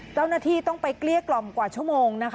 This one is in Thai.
เจ้าหน้าที่ต้องไปเกลี้ยกล่อมกว่าชั่วโมงนะคะ